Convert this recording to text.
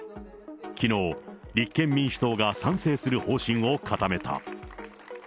きのう、立憲民主党が賛成する方針を固めた。